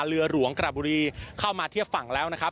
เรือหลวงกระบุรีเข้ามาเทียบฝั่งแล้วนะครับ